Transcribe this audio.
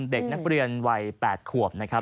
เด็กนักเรียนวัย๘ขวบนะครับ